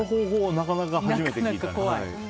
なかなか初めて聞いたね。